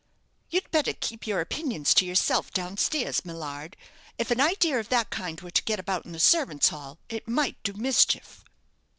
"You'd better keep your opinions to yourself down stairs, Millard. If an idea of that kind were to get about in the servants' hall, it might do mischief."